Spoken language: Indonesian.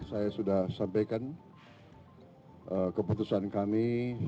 saya sudah sampaikan keputusan kami